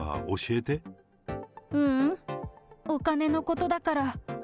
ううん、お金のことだから。